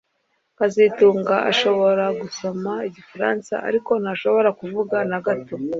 kazitunga ashobora gusoma igifaransa ariko ntashobora kuvuga na gato